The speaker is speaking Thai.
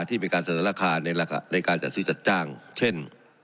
ที่เป็นการเสนอราคาในการจัดซื้อจัดจ้างเช่น